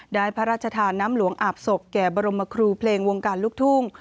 ได้พระราชทานน้ำหลวงอาบศพแก่บรมครูเพลงวงการลูกทุ่ง